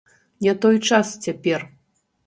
Не той час цяпер!